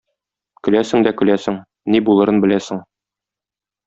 Көләсең дә көләсең, ни булырын беләсең.